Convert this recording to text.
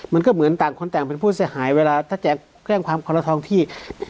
มันก็เหมือนต่างคนต่างเป็นผู้เสียหายเวลาถ้าแจกแจ้งความคนละท้องที่